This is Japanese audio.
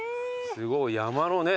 すごい山のね